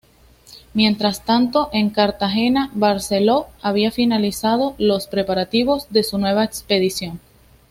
Mientras tanto, en Cartagena Barceló había finalizado los preparativos de su nueva expedición.